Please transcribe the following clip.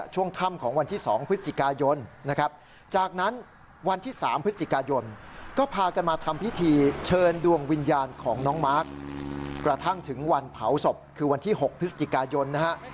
ช่วงค่ำของวันที่๒พฤศจิกายน